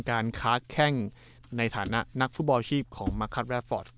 การค้าแค่งในฐานะนักฟูบออชีบของมคัตแรตฟอส